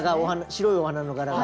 白いお花の柄が。